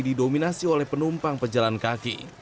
didominasi oleh penumpang pejalan kaki